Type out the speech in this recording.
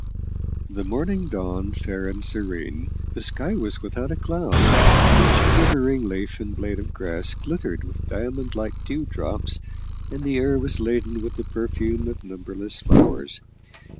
The morning dawned fair and serene, the sky was without a cloud, each quivering leaf and blade of grass glittered with diamond like dew drops, and the air was laden with the perfume of numberless flowers.